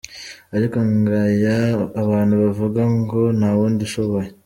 Ariko ngaya abantu bavuga ngo ntawundi ushoboye!